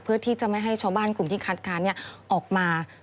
เพื่อที่จะไม่ให้ชาวบ้านกลุ่มที่คัดค้านออกมา